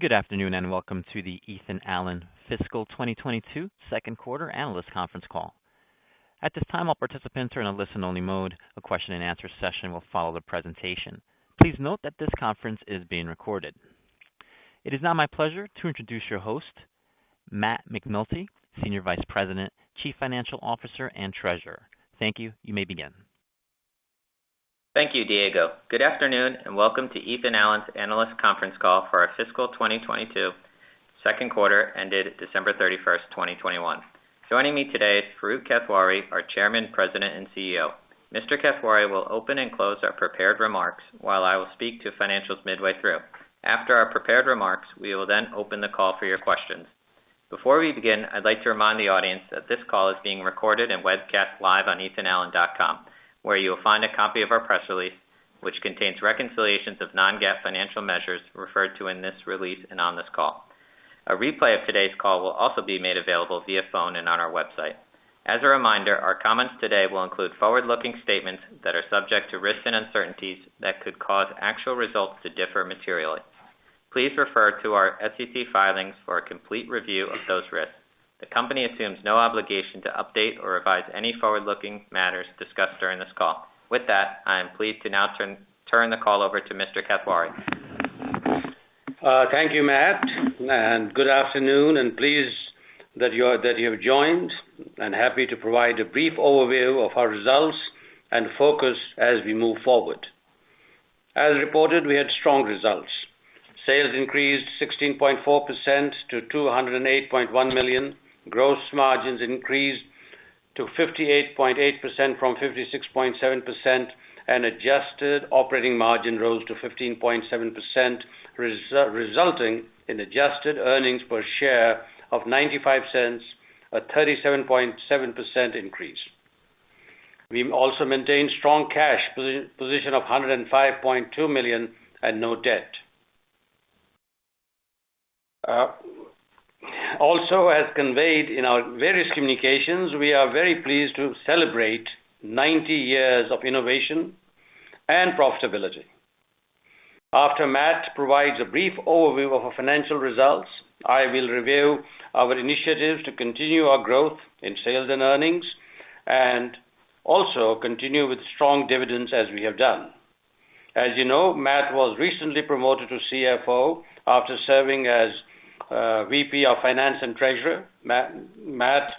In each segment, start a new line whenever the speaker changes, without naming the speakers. Good afternoon, and welcome to the Ethan Allen Fiscal 2022 second quarter analyst conference call. At this time, all participants are in a listen-only mode. A question and answer session will follow the presentation. Please note that this conference is being recorded. It is now my pleasure to introduce your host, Matt McNulty, Senior Vice President, Chief Financial Officer, and Treasurer. Thank you. You may begin.
Thank you, Diego. Good afternoon, and welcome to Ethan Allen's analyst conference call for our fiscal 2022 second quarter ended December 31st, 2021. Joining me today is Farooq Kathwari, our Chairman, President, and CEO. Mr. Kathwari will open and close our prepared remarks, while I will speak to financials midway through. After our prepared remarks, we will then open the call for your questions. Before we begin, I'd like to remind the audience that this call is being recorded and webcast live on ethanallen.com, where you will find a copy of our press release, which contains reconciliations of non-GAAP financial measures referred to in this release and on this call. A replay of today's call will also be made available via phone and on our website. As a reminder, our comments today will include forward-looking statements that are subject to risks and uncertainties that could cause actual results to differ materially. Please refer to our SEC filings for a complete review of those risks. The company assumes no obligation to update or revise any forward-looking matters discussed during this call. With that, I am pleased to now turn the call over to Mr. Kathwari.
Thank you, Matt. Good afternoon, pleased that you have joined. Happy to provide a brief overview of our results and focus as we move forward. As reported, we had strong results. Sales increased 16.4% to $208.1 million. Gross margins increased to 58.8% from 56.7%. Adjusted operating margin rose to 15.7%, resulting in adjusted earnings per share of $0.95, a 37.7% increase. We also maintained strong cash position of $105.2 million and no debt. Also as conveyed in our various communications, we are very pleased to celebrate 90 years of innovation and profitability. After Matt provides a brief overview of our financial results, I will review our initiatives to continue our growth in sales and earnings, and also continue with strong dividends as we have done. As you know, Matt was recently promoted to CFO after serving as VP of Finance and Treasurer. Matt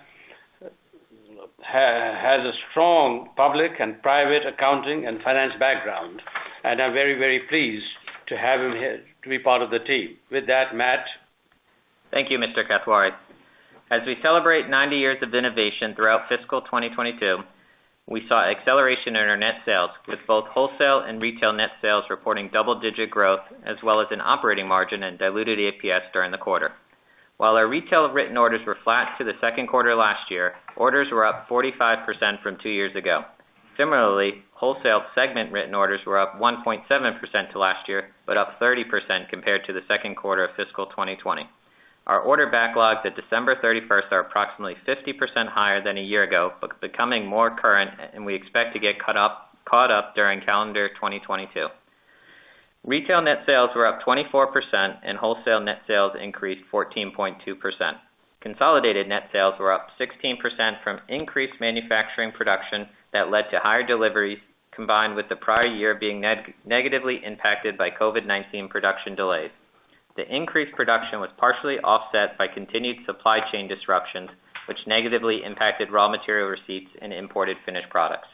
has a strong public and private accounting and finance background, and I'm very, very pleased to have him here to be part of the team. With that, Matt.
Thank you, Mr. Kathwari. As we celebrate 90 years of innovation throughout fiscal 2022, we saw acceleration in our net sales with both wholesale and retail net sales reporting double-digit growth, as well as an operating margin and diluted EPS during the quarter. While our retail written orders were flat to the second quarter last year, orders were up 45% from two years ago. Similarly, wholesale segment written orders were up 1.7% to last year, but up 30% compared to the second quarter of fiscal 2020. Our order backlogs at December 31st are approximately 50% higher than a year ago, becoming more current, and we expect to get caught up during calendar 2022. Retail net sales were up 24%, and wholesale net sales increased 14.2%. Consolidated net sales were up 16% from increased manufacturing production that led to higher deliveries, combined with the prior year being negatively impacted by COVID-19 production delays. The increased production was partially offset by continued supply chain disruptions, which negatively impacted raw material receipts and imported finished products.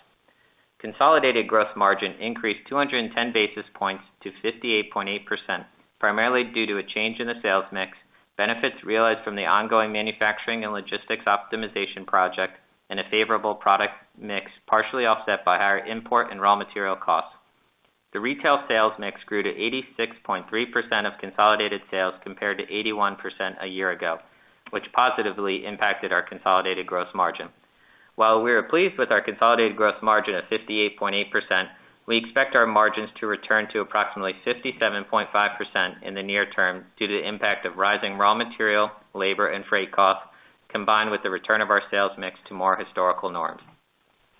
Consolidated gross margin increased 210 basis points to 58.8%, primarily due to a change in the sales mix, benefits realized from the ongoing manufacturing and logistics optimization project, and a favorable product mix, partially offset by higher import and raw material costs. The retail sales mix grew to 86.3% of consolidated sales, compared to 81% a year ago, which positively impacted our consolidated gross margin. While we are pleased with our consolidated gross margin of 58.8%, we expect our margins to return to approximately 57.5% in the near term due to the impact of rising raw material, labor, and freight costs, combined with the return of our sales mix to more historical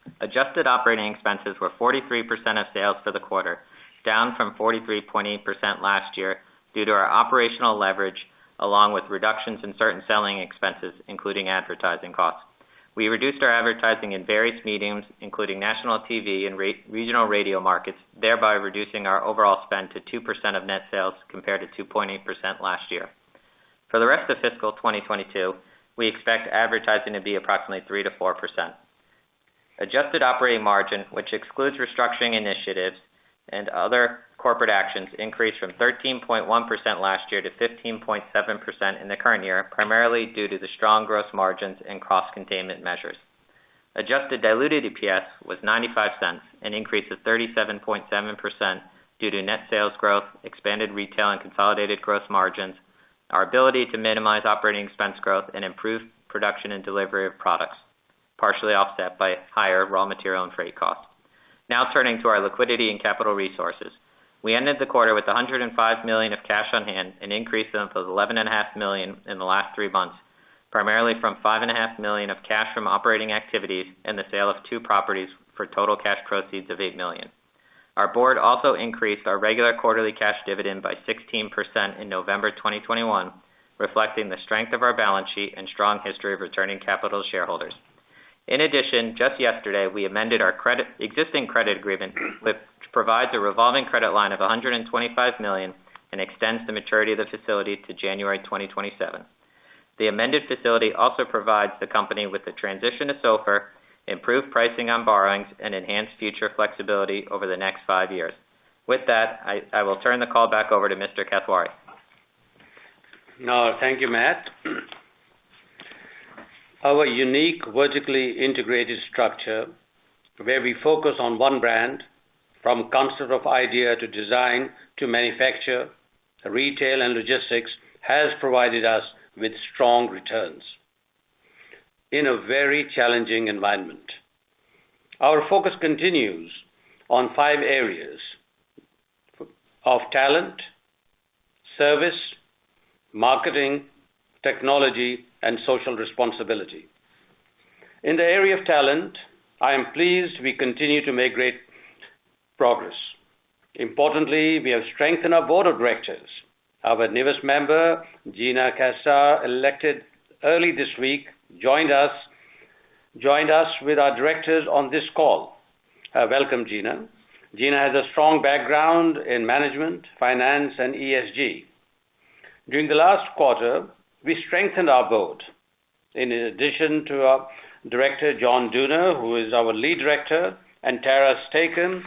norms. Adjusted operating expenses were 43% of sales for the quarter, down from 43.8% last year, due to our operational leverage, along with reductions in certain selling expenses, including advertising costs. We reduced our advertising in various media, including national TV and regional radio markets, thereby reducing our overall spend to 2% of net sales, compared to 2.8% last year. For the rest of fiscal 2022, we expect advertising to be approximately 3%-4%. Adjusted operating margin, which excludes restructuring initiatives and other corporate actions, increased from 13.1% last year to 15.7% in the current year, primarily due to the strong gross margins and cost containment measures. Adjusted diluted EPS was $0.95, an increase of 37.7% due to net sales growth, expanded retail and consolidated gross margins, our ability to minimize operating expense growth, and improve production and delivery of products, partially offset by higher raw material and freight costs. Now turning to our liquidity and capital resources. We ended the quarter with $105 million of cash on hand, an increase of $11.5 million in the last three months. Primarily from $5.5 million of cash from operating activities and the sale of two properties for total cash proceeds of $8 million. Our board also increased our regular quarterly cash dividend by 16% in November 2021, reflecting the strength of our balance sheet and strong history of returning capital to shareholders. In addition, just yesterday, we amended our existing credit agreement which provides a revolving credit line of $125 million and extends the maturity of the facility to January 2027. The amended facility also provides the company with the transition to SOFR, improved pricing on borrowings and enhanced future flexibility over the next five years. With that, I will turn the call back over to Mr. Kathwari.
Now, thank you, Matt. Our unique vertically integrated structure, where we focus on one brand from concept of idea to design to manufacture, retail and logistics, has provided us with strong returns in a very challenging environment. Our focus continues on five areas of talent, service, marketing, technology, and social responsibility. In the area of talent, I am pleased we continue to make great progress. Importantly, we have strengthened our board of directors. Our newest member, Gina Casar, elected early this week, joined us with our directors on this call. Welcome, Gina. Gina has a strong background in management, finance and ESG. During the last quarter, we strengthened our board. In addition to our director, John Dooner, who is our Lead Director, and Tara Stacom,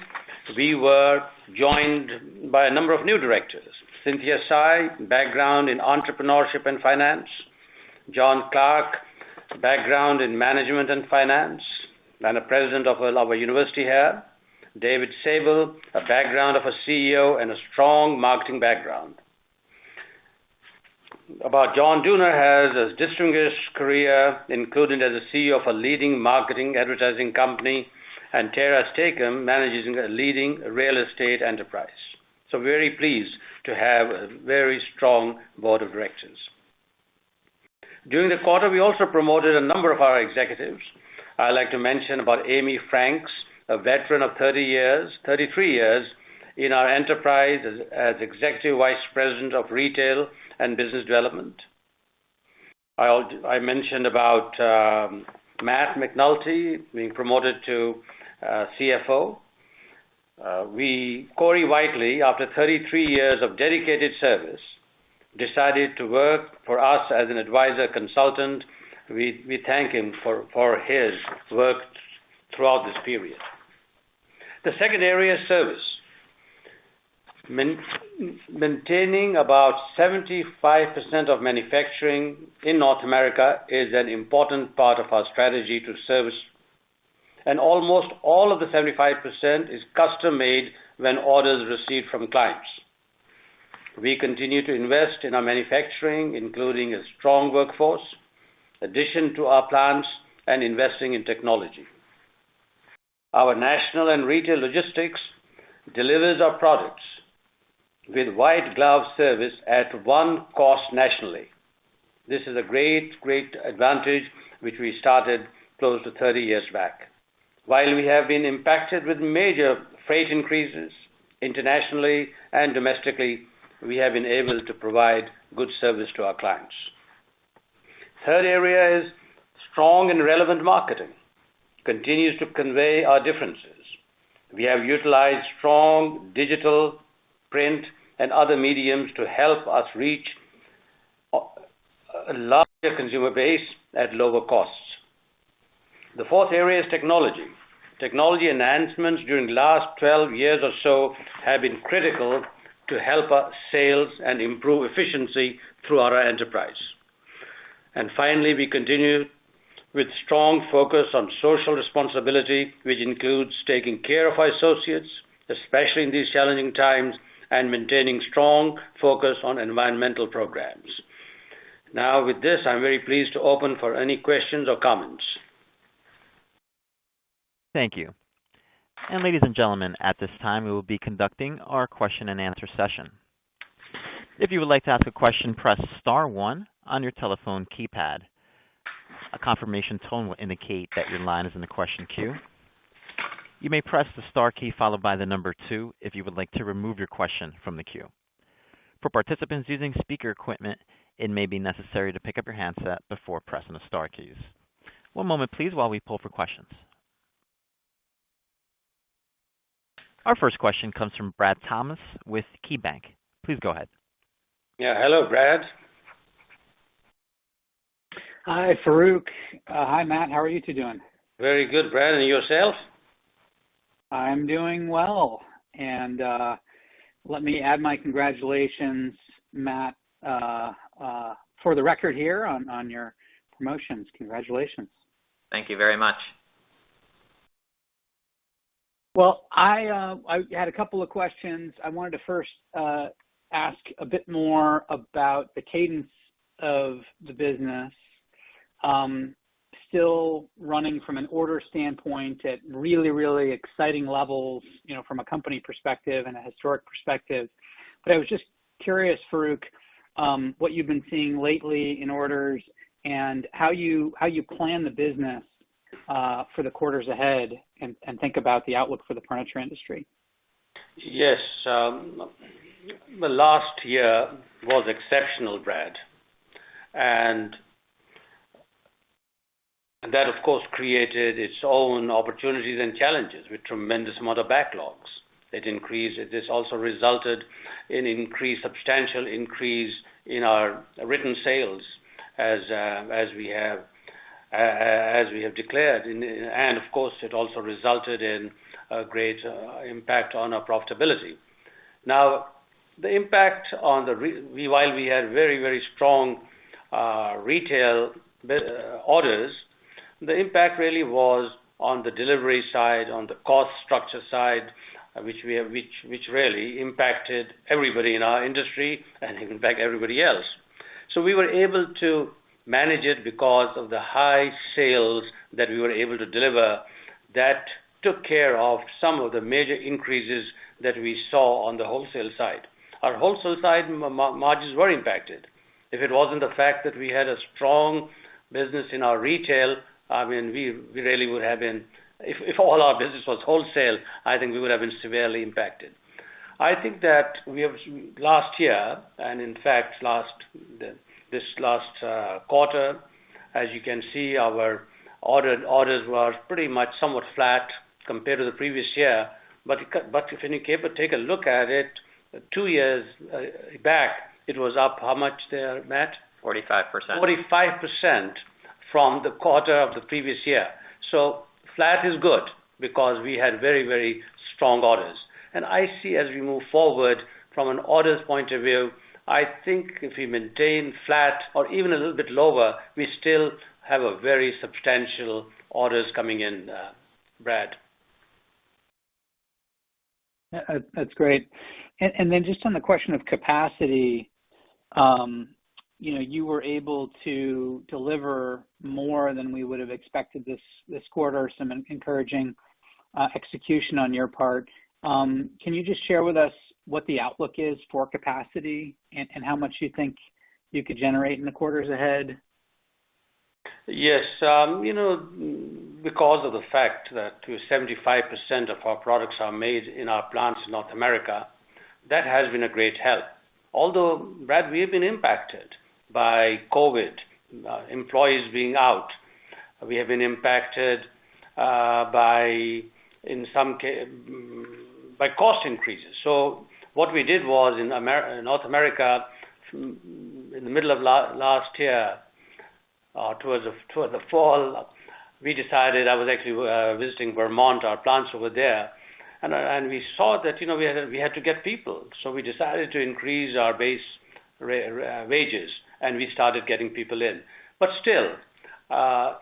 we were joined by a number of new directors. Cynthia Tsai, background in entrepreneurship and finance. John Clark, background in management and finance, and a president of our university here. David Sable, a background of a CEO and a strong marketing background. About John Dooner, has a distinguished career, including as a CEO of a leading marketing advertising company, and Tara Stacom manages a leading real estate enterprise. Very pleased to have a very strong board of directors. During the quarter, we also promoted a number of our executives. I'd like to mention about Amy Franks, a veteran of 30 years, 33 years in our enterprise as Executive Vice President of Retail and Business Development. I mentioned about Matt McNulty being promoted to CFO. Corey Whitely, after 33 years of dedicated service, decided to work for us as an advisor consultant. We thank him for his work throughout this period. The second area, service. Maintaining about 75% of manufacturing in North America is an important part of our strategy to service, and almost all of the 75% is custom-made when orders are received from clients. We continue to invest in our manufacturing, including a strong workforce, addition to our plants, and investing in technology. Our national and retail logistics delivers our products with white glove service at one cost nationally. This is a great advantage which we started close to 30 years back. While we have been impacted with major freight increases internationally and domestically, we have been able to provide good service to our clients. The third area is strong and relevant marketing. It continues to convey our differences. We have utilized strong digital, print and other media to help us reach a larger consumer base at lower costs. The fourth area is technology. Technology enhancements during the last 12 years or so have been critical to help our sales and improve efficiency throughout our enterprise. Finally, we continue with strong focus on social responsibility, which includes taking care of our associates, especially in these challenging times, and maintaining strong focus on environmental programs. Now, with this, I'm very pleased to open for any questions or comments.
Thank you. Ladies and gentlemen, at this time, we will be conducting our question-and-answer session. If you would like to ask a question, press star one on your telephone keypad. A confirmation tone will indicate that your line is in the question queue. You may press the star key followed by the number two if you would like to remove your question from the queue. For participants using speaker equipment, it may be necessary to pick up your handset before pressing the star keys. One moment, please, while we pull for questions. Our first question comes from Brad Thomas with KeyBanc. Please go ahead.
Yeah. Hello, Brad.
Hi, Farooq. Hi, Matt. How are you two doing?
Very good, Brad. And yourself?
I'm doing well. Let me add my congratulations, Matt, for the record here on your promotions. Congratulations.
Thank you very much.
Well, I had a couple of questions. I wanted to first ask a bit more about the cadence of the business still running from an order standpoint at really exciting levels, you know, from a company perspective and a historic perspective. I was just curious, Farooq, what you've been seeing lately in orders and how you plan the business for the quarters ahead and think about the outlook for the furniture industry.
Yes. The last year was exceptional, Brad. That, of course, created its own opportunities and challenges with tremendous amount of backlogs. This also resulted in substantial increase in our written sales as we have declared. Of course, it also resulted in a great impact on our profitability. Now, while we had very strong retail orders, the impact really was on the delivery side, on the cost structure side, which really impacted everybody in our industry and impacted everybody else. We were able to manage it because of the high sales that we were able to deliver that took care of some of the major increases that we saw on the wholesale side. Our wholesale side margins were impacted. If it wasn't the fact that we had a strong business in our retail, I mean, we really would have been. If all our business was wholesale, I think we would have been severely impacted. I think that we had last year, and in fact this last quarter, as you can see, our orders were pretty much somewhat flat compared to the previous year. If you care to take a look at it, two years back, it was up how much there, Matt?
45%. 45% from the quarter of the previous year. Flat is good because we had very, very strong orders. I see as we move forward from an orders point of view, I think if we maintain flat or even a little bit lower, we still have a very substantial orders coming in, Brad.
That's great. Just on the question of capacity, you know, you were able to deliver more than we would have expected this quarter, some encouraging execution on your part. Can you just share with us what the outlook is for capacity and how much you think you could generate in the quarters ahead?
Yes. You know, because of the fact that 75% of our products are made in our plants in North America, that has been a great help. Although, Brad, we have been impacted by COVID, employees being out. We have been impacted by cost increases in some cases. What we did was in North America, in the middle of last year, towards the fall, we decided. I was actually visiting Vermont, our plants over there. We saw that, you know, we had to get people. We decided to increase our base wages, and we started getting people in. Still,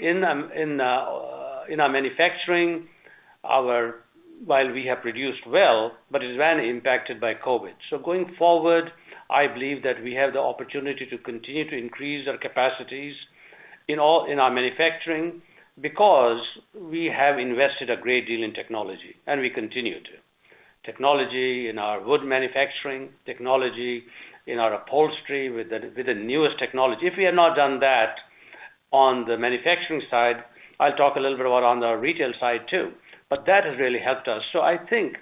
in our manufacturing. While we have produced well, it's been impacted by COVID. Going forward, I believe that we have the opportunity to continue to increase our capacities in our manufacturing because we have invested a great deal in technology, and we continue to. Technology in our wood manufacturing, technology in our upholstery with the newest technology. If we had not done that on the manufacturing side, I'll talk a little bit about on the retail side, too, but that has really helped us. I think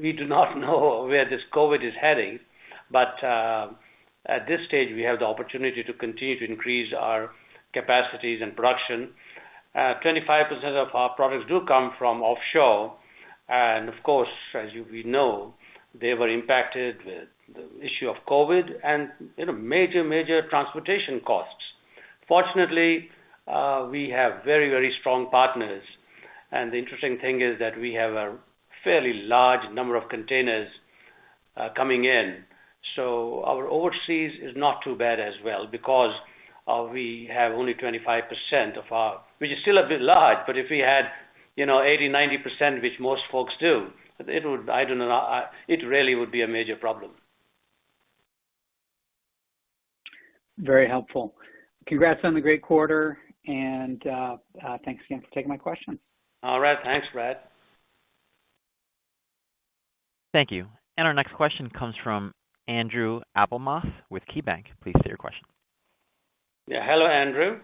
we do not know where this COVID is heading, but at this stage, we have the opportunity to continue to increase our capacities and production. 25% of our products do come from offshore. And of course, as you know, we know, they were impacted with the issue of COVID and, you know, major transportation costs. Fortunately, we have very strong partners. The interesting thing is that we have a fairly large number of containers coming in. Our overseas is not too bad as well because we have only 25% of our, which is still a bit large, but if we had, you know, 80%-90%, which most folks do, it would, I don't know, it really would be a major problem.
Very helpful. Congrats on the great quarter, and thanks again for taking my question.
All right. Thanks, Brad.
Thank you. Our next question comes from Andrew Efimoff with KeyBanc. Please state your question.
Yeah. Hello, Andrew.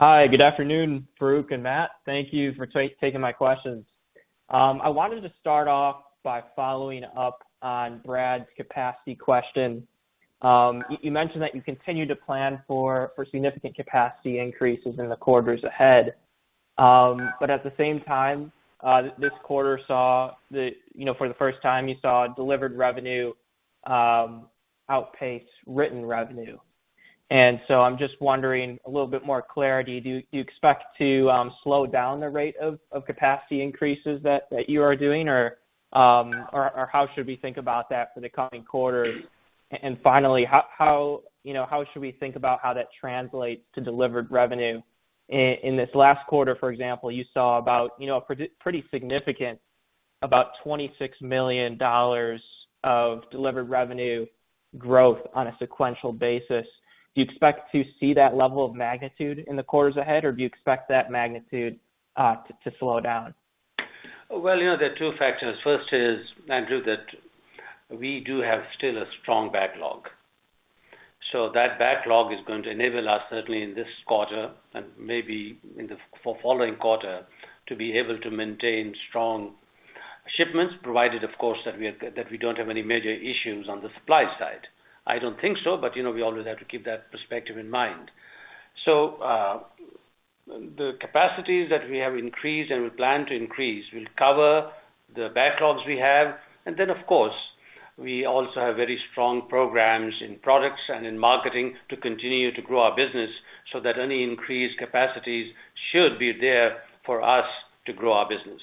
Hi. Good afternoon, Farooq and Matt. Thank you for taking my questions. I wanted to start off by following up on Brad's capacity question. You mentioned that you continue to plan for significant capacity increases in the quarters ahead. But at the same time, this quarter saw, you know, for the first time, you saw delivered revenue outpace written revenue. I'm just wondering a little bit more clarity. Do you expect to slow down the rate of capacity increases that you are doing, or how should we think about that for the coming quarter? Finally, how, you know, how should we think about how that translates to delivered revenue? In this last quarter, for example, you saw about, you know, a pretty significant, about $26 million of delivered revenue growth on a sequential basis. Do you expect to see that level of magnitude in the quarters ahead, or do you expect that magnitude to slow down?
Well, you know, there are two factors. First is, Andrew, that we do have still a strong backlog. That backlog is going to enable us, certainly in this quarter and maybe in the following quarter, to be able to maintain strong shipments, provided of course, that we don't have any major issues on the supply side. I don't think so, but, you know, we always have to keep that perspective in mind. The capacities that we have increased and we plan to increase will cover the backlogs we have. Of course, we also have very strong programs in products and in marketing to continue to grow our business so that any increased capacities should be there for us to grow our business.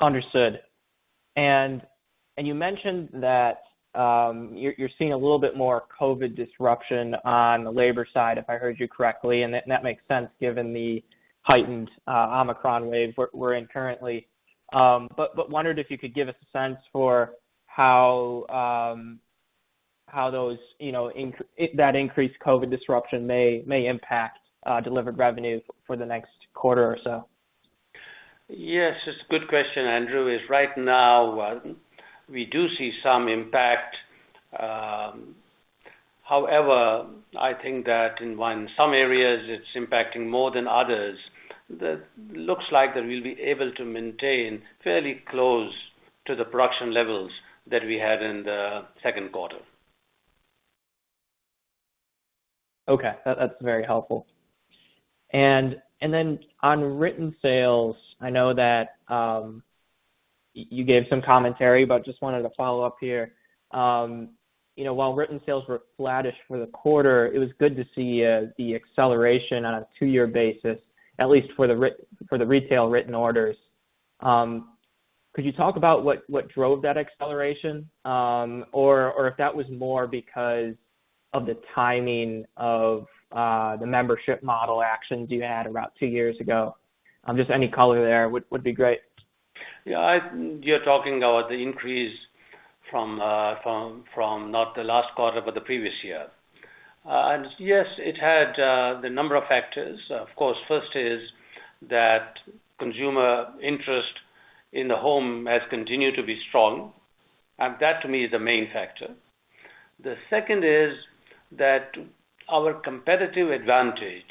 Understood. You mentioned that you're seeing a little bit more COVID disruption on the labor side, if I heard you correctly, and that makes sense given the heightened Omicron wave we're in currently. I wondered if you could give us a sense for how that increased COVID disruption may impact delivered revenue for the next quarter or so.
Yes, it's a good question, Andrew. As of right now, we do see some impact. However, I think that in some areas, it's impacting more than others. That looks like we'll be able to maintain fairly close to the production levels that we had in the second quarter.
Okay. That's very helpful. Then on written sales, I know that you gave some commentary, but just wanted to follow up here. You know, while written sales were flattish for the quarter, it was good to see the acceleration on a two-year basis, at least for the retail written orders. Could you talk about what drove that acceleration? Or if that was more because of the timing of the membership model actions you had about two years ago. Just any color there would be great.
Yeah. You're talking about the increase from not the last quarter, but the previous year. Yes, it had the number of factors. Of course, first is that consumer interest in the home has continued to be strong, and that to me is the main factor. The second is that our competitive advantage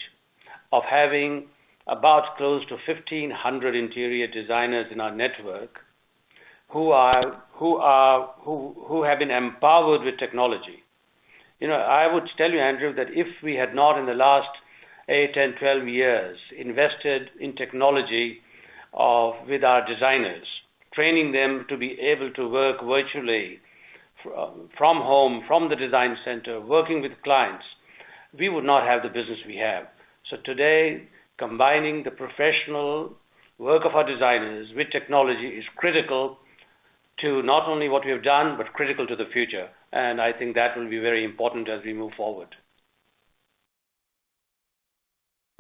of having about close to 1,500 interior designers in our network who have been empowered with technology. You know, I would tell you, Andrew, that if we had not in the last eight, 10, 12 years invested in technology with our designers, training them to be able to work virtually from home, from the design center, working with clients, we would not have the business we have. Today, combining the professional work of our designers with technology is critical to not only what we have done, but critical to the future. I think that will be very important as we move forward.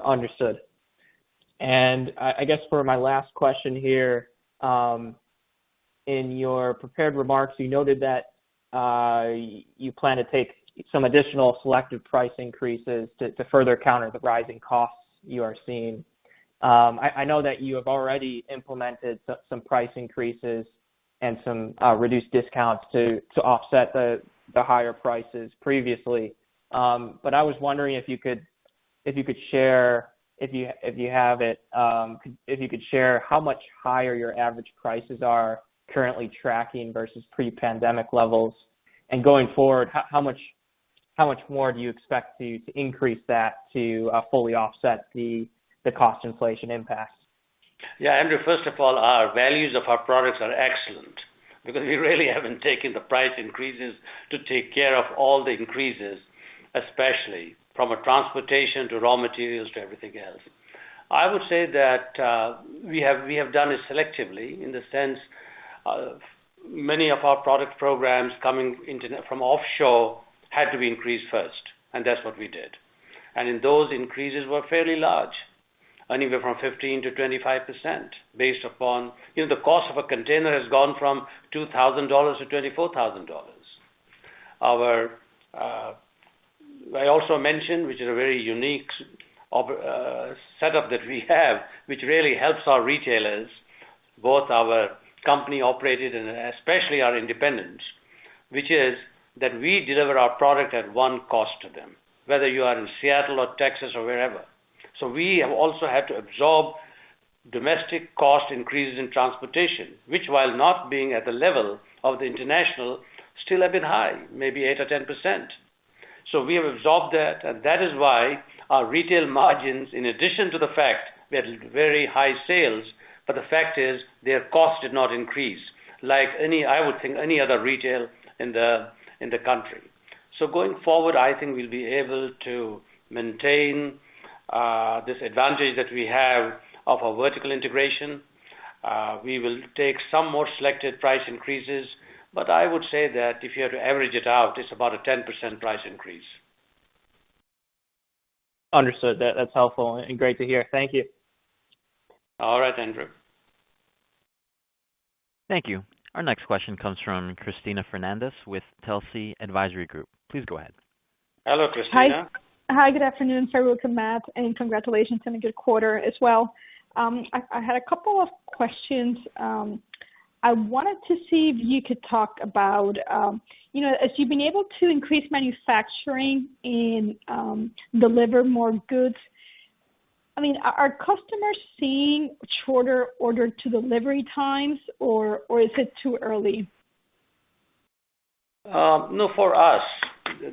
Understood. I guess for my last question here, in your prepared remarks, you noted that you plan to take some additional selective price increases to further counter the rising costs you are seeing. I know that you have already implemented some price increases and some reduced discounts to offset the higher prices previously. But I was wondering if you could share, if you have it, how much higher your average prices are currently tracking versus pre-pandemic levels. Going forward, how much more do you expect to increase that to fully offset the cost inflation impacts?
Yeah, Andrew, first of all, our values of our products are excellent because we really haven't taken the price increases to take care of all the increases, especially from a transportation to raw materials to everything else. I would say that we have done it selectively in the sense of many of our product programs coming from offshore had to be increased first, and that's what we did. In those increases were fairly large, anywhere from 15%-25% based upon you know, the cost of a container has gone from $2,000-$24,000. I also mentioned, which is a very unique setup that we have, which really helps our retailers, both our company operated and especially our independents, which is that we deliver our product at one cost to them, whether you are in Seattle or Texas or wherever. We have also had to absorb domestic cost increases in transportation, which while not being at the level of the international, still a bit high, maybe 8% or 10%. We have absorbed that, and that is why our retail margins, in addition to the fact we had very high sales, but the fact is their cost did not increase like any, I would think, any other retail in the country. Going forward, I think we'll be able to maintain this advantage that we have of our vertical integration. We will take some more selected price increases, but I would say that if you had to average it out, it's about a 10% price increase.
Understood. That's helpful and great to hear. Thank you.
All right, Andrew.
Thank you. Our next question comes from Cristina Fernández with Telsey Advisory Group. Please go ahead.
Hello, Cristina.
Hi, good afternoon, Farooq and Matt, and congratulations on a good quarter as well. I had a couple of questions. I wanted to see if you could talk about, you know, as you've been able to increase manufacturing and deliver more goods. I mean, are customers seeing shorter order-to-delivery times, or is it too early?
No, for us,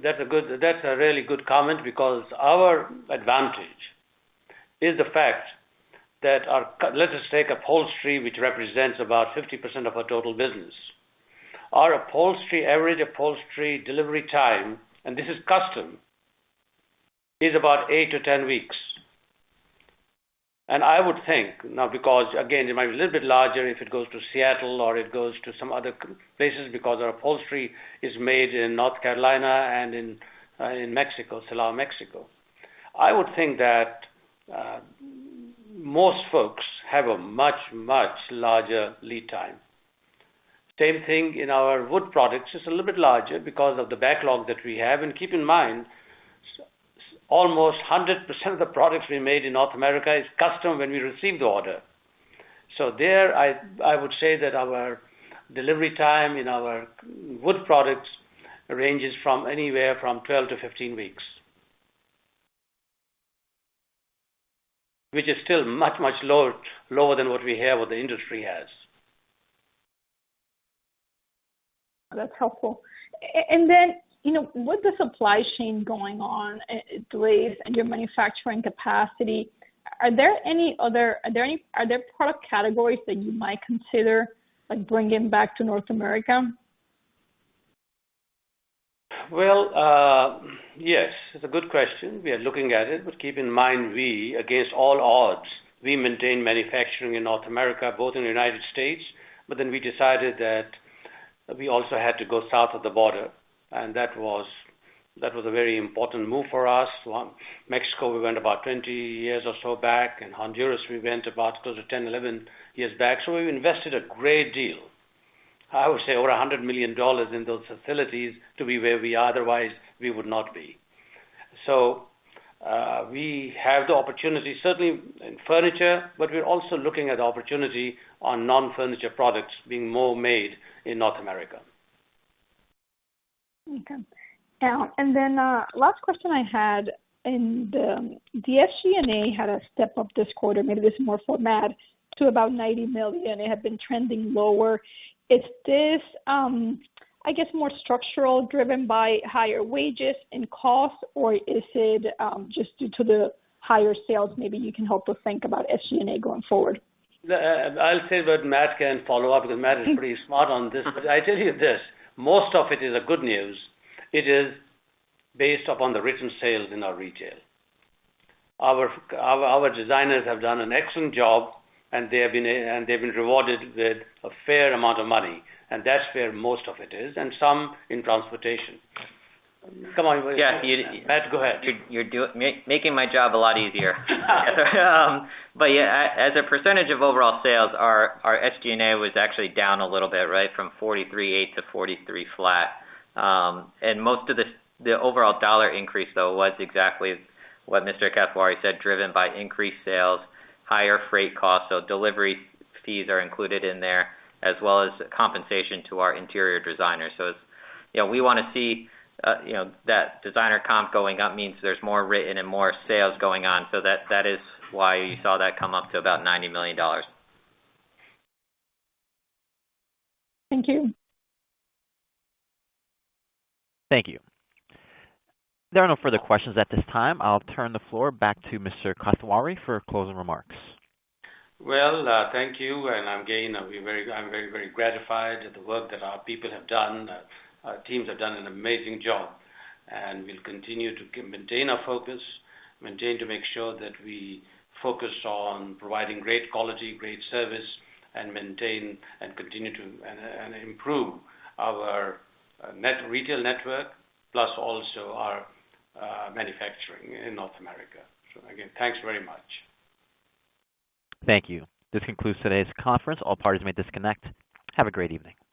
that's a really good comment because our advantage is the fact that let us take upholstery, which represents about 50% of our total business. Our upholstery, average upholstery delivery time, and this is custom, is about eight to 10 weeks. I would think, now because, again, it might be a little bit larger if it goes to Seattle or it goes to some other places because our upholstery is made in North Carolina and in Mexico, Silao, Mexico. I would think that most folks have a much, much larger lead time. Same thing in our wood products. It's a little bit larger because of the backlog that we have. Keep in mind, almost 100% of the products we made in North America is custom when we receive the order. I would say that our delivery time in our wood products ranges from anywhere from 12-15 weeks. Which is still much lower than what we have or the industry has.
That's helpful. With the supply chain going on, delays and your manufacturing capacity, are there any product categories that you might consider, like, bringing back to North America?
Well, yes, it's a good question. We are looking at it. Keep in mind, we, against all odds, maintain manufacturing in North America, both in the United States, but then we decided that we also had to go south of the border, and that was a very important move for us. One, Mexico, we went about 20 years or so back, and Honduras, we went about close to 10, 11 years back. We've invested a great deal, I would say over $100 million in those facilities to be where we are, otherwise we would not be. We have the opportunity, certainly in furniture, but we're also looking at opportunity on non-furniture products being more made in North America.
Okay. Last question I had, the SG&A had a step up this quarter, maybe this is more for Matt, to about $90 million. It had been trending lower. Is this, I guess, more structural, driven by higher wages and costs, or is it, just due to the higher sales? Maybe you can help us think about SG&A going forward.
I'll say, but Matt can follow up because Matt is pretty smart on this.
Okay.
I tell you this, most of it is a good news. It is based upon the written sales in our retail. Our designers have done an excellent job, and they've been rewarded with a fair amount of money, and that's where most of it is, and some in transportation. Come on.
Yeah.
Matt, go ahead.
You're making my job a lot easier. Yeah, as a percentage of overall sales, our SG&A was actually down a little bit, right from 43.8%-43%. Most of the overall dollar increase, though, was exactly what Mr. Kathwari said, driven by increased sales, higher freight costs, so delivery fees are included in there, as well as compensation to our interior designers. It's, you know, we wanna see, you know, that designer comp going up means there's more written and more sales going on. That is why you saw that come up to about $90 million.
Thank you.
Thank you. There are no further questions at this time. I'll turn the floor back to Mr. Kathwari for closing remarks.
Well, thank you. Again, I'll be very—I'm very, very gratified at the work that our people have done. Our teams have done an amazing job, and we'll continue to maintain our focus to make sure that we focus on providing great quality, great service, and continue to improve our retail network, plus also our manufacturing in North America. Again, thanks very much.
Thank you. This concludes today's conference. All parties may disconnect. Have a great evening.